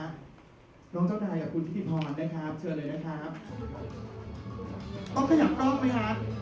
น้องเจ้านายกับคุณทิติพรนะครับเชิญเลยนะครับต้องขยับกล้องไหมครับ